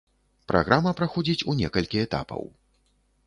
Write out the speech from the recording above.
Праграма праходзіць у некалькі этапаў.